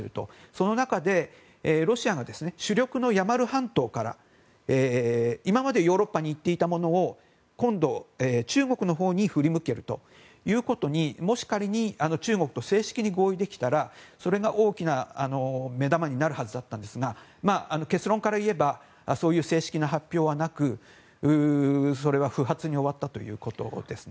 その中でロシアが主力のヤマル半島から今までヨーロッパに行っていたものを今度、中国のほうに振り向けるということにもし仮に中国と正式に合意できたらそれが大きな目玉になるはずだったんですが結論からいえばそういう正式な発表はなく不発に終わったということです。